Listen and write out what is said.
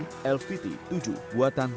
yang memiliki keterangan yang sangat tinggi